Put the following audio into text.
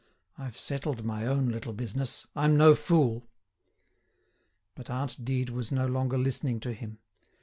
I've settled my own little business. I'm no fool." But aunt Dide was no longer listening to him.